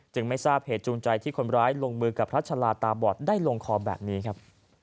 ไม่ทราบเหตุจูงใจที่คนร้ายลงมือกับพระชะลาตาบอดได้ลงคอแบบนี้ครับ